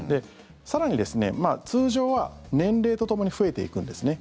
更に、通常は年齢とともに増えていくんですね。